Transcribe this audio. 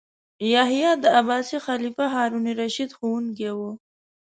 یحیی د عباسي خلیفه هارون الرشید ښوونکی و.